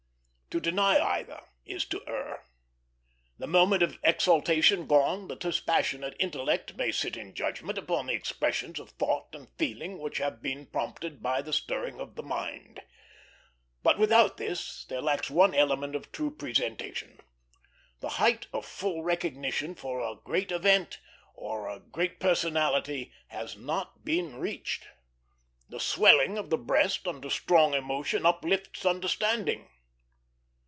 To deny either is to err. The moment of exaltation gone, the dispassionate intellect may sit in judgment upon the expressions of thought and feeling which have been prompted by the stirring of the mind; but without this there lacks one element of true presentation. The height of full recognition for a great event, or a great personality, has not been reached. The swelling of the breast under strong emotion uplifts understanding.